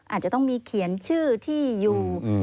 อาจจะต้องมีเขียนชื่อที่อยู่